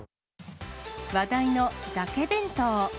話題のだけ弁当。